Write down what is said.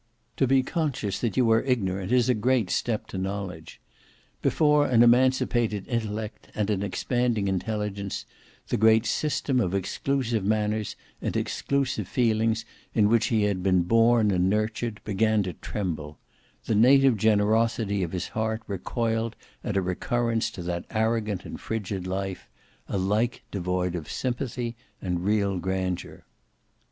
To be conscious that you are ignorant is a great step to knowledge. Before an emancipated intellect and an expanding intelligence, the great system of exclusive manners and exclusive feelings in which he had been born and nurtured, began to tremble; the native generosity of his heart recoiled at a recurrence to that arrogant and frigid life, alike devoid of sympathy and real grandeur.